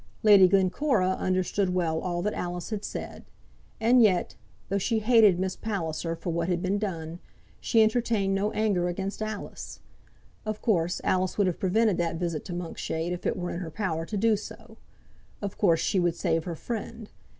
Lady Glencora understood well all that Alice had said: and yet, though she hated Miss Palliser for what had been done, she entertained no anger against Alice. Of course Alice would have prevented that visit to Monkshade if it were in her power to do so. Of course she would save her friend.